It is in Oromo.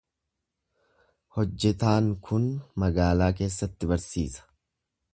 Hojjetaan kun magaalaa keessatti barsiisa.